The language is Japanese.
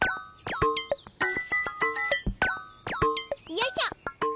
よいしょ。